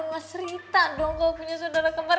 mas rita dong kalo punya saudara kembar